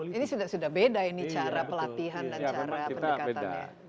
ini sudah beda ini cara pelatihan dan cara pendekatannya